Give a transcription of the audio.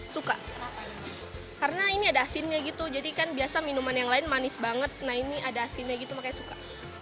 suka karena ini ada asinnya gitu jadi kan biasa minuman yang lain manis banget nah ini ada asinnya gitu makanya suka